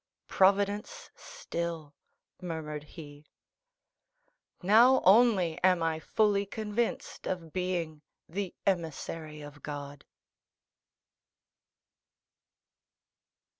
"Providence still," murmured he; "now only am I fully convinced of being the emissary of God!"